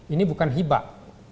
ini bukan hibak